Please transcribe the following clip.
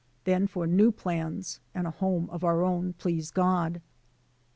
Then for new plans and a home of our own, please God."